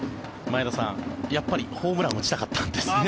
前田さん、やっぱりホームランを打ちたかったんですね。